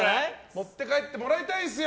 持って帰ってもらいたいですよ